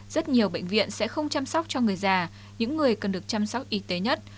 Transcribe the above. rất nhiều bệnh viện sẽ không chăm sóc cho người già những người cần được chăm sóc y tế nhất